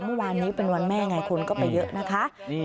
เมื่อวานนี้เป็นวันแม่ไงคนก็ไปเยอะนะคะ